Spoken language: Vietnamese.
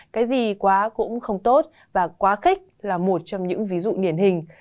cái gì quá cũng không tốt và quá khích là một trong những ví dụ điển hình